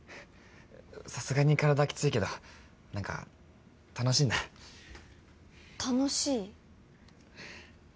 さすがに体きついけど何か楽しいんだ楽しい？